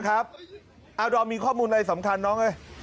เรามีข้อมูลอะไรสำคัญน้อง